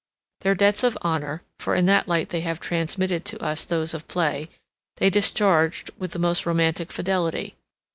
31 Their debts of honor (for in that light they have transmitted to us those of play) they discharged with the most romantic fidelity.